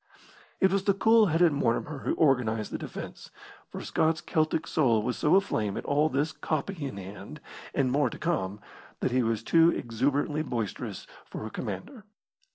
It was the cool headed Mortimer who organised the defence, for Scott's Celtic soul was so aflame at all this "copy" in hand and more to come that he was too exuberantly boisterous for a commander.